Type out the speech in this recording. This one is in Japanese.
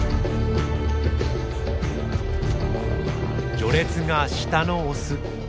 序列が下のオス。